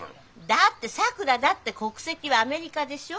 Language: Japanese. だってさくらだって国籍はアメリカでしょ。